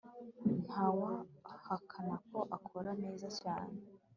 Ntawahakana ko akora neza cyane